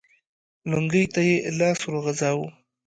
لونګۍ ته يې لاس ور وغځاوه.